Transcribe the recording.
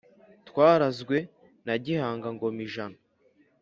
Twarazwe na Gihanga ngoma ijana